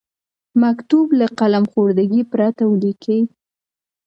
مکتوب له قلم خوردګۍ پرته ولیکئ.